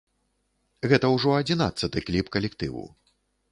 Гэта ўжо адзінаццаты кліп калектыву.